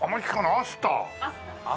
アスター。